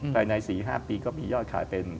ภายใน๔๕ปีก็มียอดขายเป็น